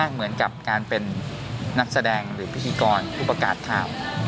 เหมือนกับการเป็นนักแสดงหรือพิธีกรผู้ประกาศข่าว